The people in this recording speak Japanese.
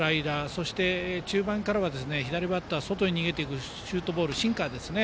そして中盤からは左バッターに外へ逃げていくシュートボールシンカーですね。